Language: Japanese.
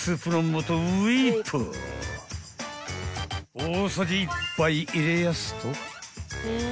［大さじ１杯入れやすと］